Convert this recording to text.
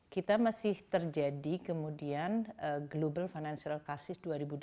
kita masih terjadi kemudian global financial crisis dua ribu delapan dua ribu sembilan